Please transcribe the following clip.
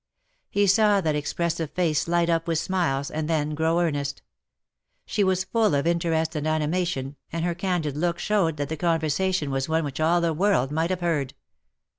He saw that expressive face light up with smiles, and then grow earnest. She was full of interest and animation^ and her candid look showed that the conversation was one which all the world might have heard.